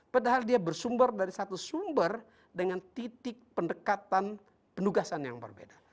padahal dia bersumber dari satu sumber dengan titik pendekatan pendugasan yang berbeda